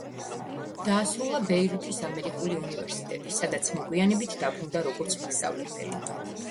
დაასრულა ბეირუთის ამერიკული უნივერსიტეტი, სადაც მოგვიანებით დაბრუნდა როგორც მასწავლებელი.